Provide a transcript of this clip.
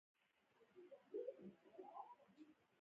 هغه وویل تر لویینو تیریږو او بیا مخکې ځو.